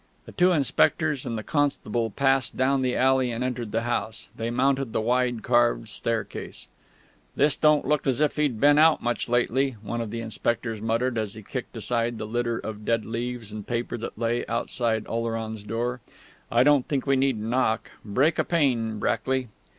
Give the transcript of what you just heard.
The two inspectors and the constable passed down the alley and entered the house. They mounted the wide carved staircase. "This don't look as if he'd been out much lately," one of the inspectors muttered as he kicked aside a litter of dead leaves and paper that lay outside Oleron's door. "I don't think we need knock break a pane, Brackley."